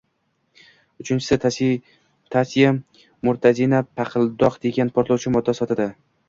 Uchinchisi, Taisa Murtazina paqildoq degan portlovchi modda sotadi